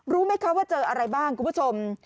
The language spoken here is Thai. รู้ไหมคะว่าเจออะไรบ้างคุณผู้ชม